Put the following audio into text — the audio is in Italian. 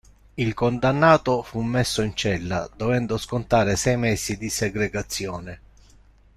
Il condannato fu messo in cella, dovendo scontare sei mesi di segregazione.